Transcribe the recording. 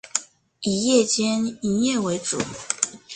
以夜间营业为主。